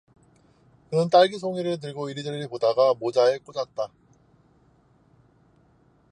그는 딸기 송이를 들고 이리저리 보다가 모자에 꽂았다.